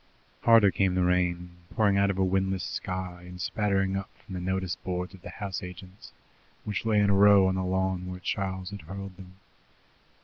Harder came the rain, pouring out of a windless sky, and spattering up from the notice boards of the house agents, which lay in a row on the lawn where Charles had hurled them.